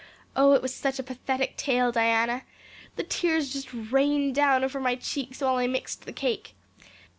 Oh, it was such a pathetic tale, Diana. The tears just rained down over my cheeks while I mixed the cake.